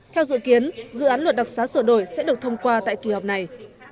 theo dự kiến dự án luật đặc xá sửa đổi sẽ được thông qua tại kỳ họp này